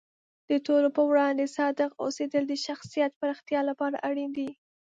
د ټولو په وړاندې صادق اوسیدل د شخصیت پراختیا لپاره اړین دی.